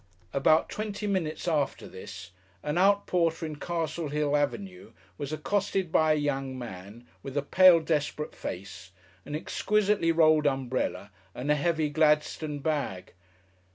About twenty minutes after this, an outporter in Castle Hill Avenue was accosted by a young man, with a pale, desperate face, an exquisitely rolled umbrella and a heavy Gladstone bag.